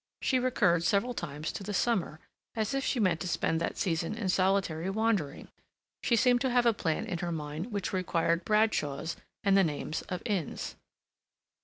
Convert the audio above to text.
She recurred several times to the summer, as if she meant to spend that season in solitary wandering. She seemed to have a plan in her mind which required Bradshaws and the names of inns.